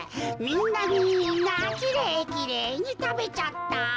みんなきれいきれいにたべちゃった。